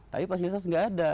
tapi fasilitas nggak ada